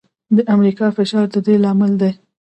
د امریکا فشار د دې لامل دی.